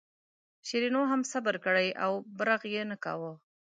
شیرینو هم صبر کړی و او برغ یې نه کاوه.